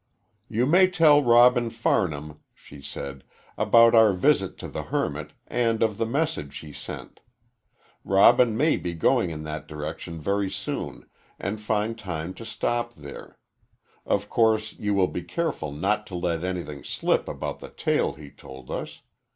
"You may tell Robin Farnham," she said, "about our visit to the hermit, and of the message he sent. Robin may be going in that direction very soon, and find time to stop there. Of course you will be careful not to let anything slip about the tale he told us.